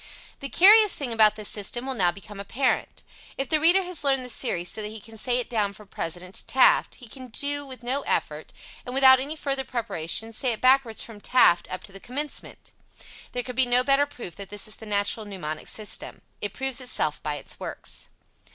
The curious thing about this system will now become apparent. If the reader has learned the series so that he can say it down from President to Taft, he can with no effort, and without any further preparation, say it backwards from Taft up to the commencement! There could be no better proof that this is the natural mnemonic system. It proves itself by its works.